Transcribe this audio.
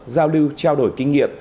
giao lưu trao đổi kinh nghiệm